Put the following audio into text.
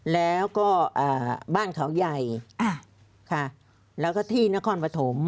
แล้วก็บ้านเขาใหญ่ค่ะแล้วก็ที่นครปฐม